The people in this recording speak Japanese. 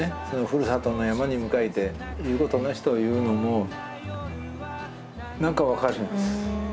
ふるさとの山に向かいていうことなしと言うのも何か分かるんです。